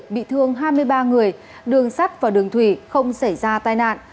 bị thương hai mươi ba người đường sắt và đường thủy không xảy ra tai nạn